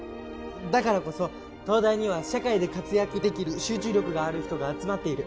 「だからこそ東大には社会で活躍できる」「集中力がある人が集まっている」